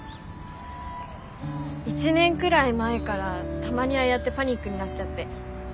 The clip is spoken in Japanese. １年くらい前からたまにああやってパニックになっちゃって。